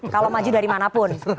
kalau maju dari mana pun